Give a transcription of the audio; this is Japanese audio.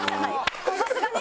さすがに？